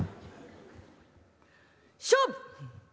「勝負！